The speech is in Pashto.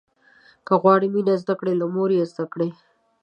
که غواړې مينه زده کړې، له موره يې زده کړه.